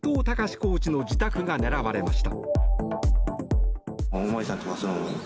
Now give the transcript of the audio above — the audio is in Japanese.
コーチの自宅が狙われました。